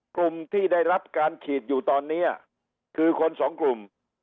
กลุ่มที่ได้รับการฉีดอยู่ตอนนี้คือคนสองกลุ่ม